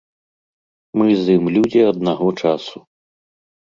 Мы з ім людзі аднаго часу.